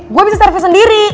gue bisa servis sendiri